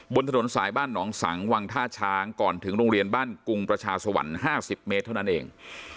บนถนนสายบ้านหนองสังวังท่าช้างก่อนถึงโรงเรียนบ้านกรุงประชาสวรรค์๕๐เมตรเท่านั้นเอง